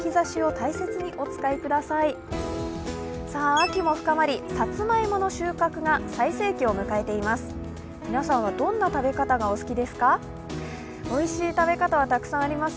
秋も深まり、さつまいもの収穫が最盛期を迎えています。